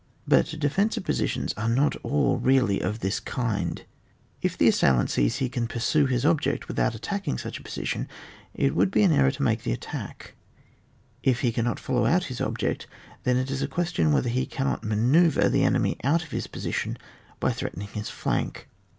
But de fensive positions are not all really of th^s kind. If the assailant sees he can pur sue his object without attacking such a position, it would be an error to make the attack ; if he cannot follow out his object, then it is a question whether he cannot manoeuvre the enemy out of his position by threatening his flank.